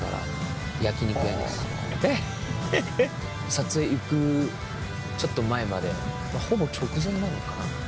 撮影行くちょっと前までほぼ直前なのかな。